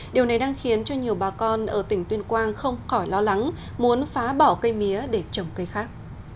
điều này đang khiến cho nhiều bà con ở tỉnh tuyên quang không khỏi lo lắng muốn phá bỏ cây mía để trồng cây khác